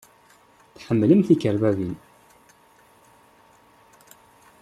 Tḥemmlem tikerbabin?